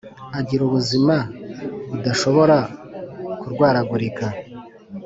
agira ubuzima a budashobora kurwaragurika